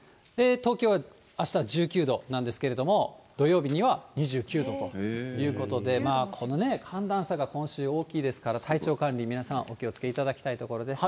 東京はあしたは１９度なんですけれども、土曜日には２９度ということで、この寒暖差が今週、大きいですから、体調管理、皆さんお気をつけいただきたいところです。